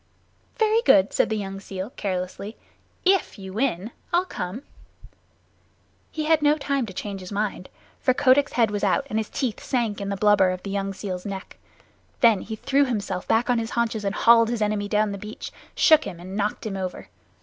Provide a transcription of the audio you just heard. "Very good," said the young seal carelessly. "If you win, I'll come." He had no time to change his mind, for Kotick's head was out and his teeth sunk in the blubber of the young seal's neck. Then he threw himself back on his haunches and hauled his enemy down the beach, shook him, and knocked him over.